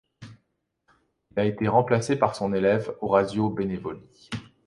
Il a été remplacé par son élève Orazio Benevoli.